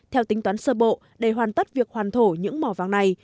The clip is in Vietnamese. theo tính toán sơ bộ để hoàn tất việc hoàn thổ những mỏ vàng này